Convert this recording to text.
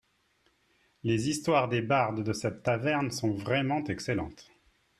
Les histoires des bardes de cette taverne sont vraiment excellentes.